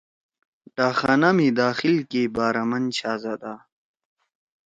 ڈاکخانہ می داخل کی بارامن شاھزدا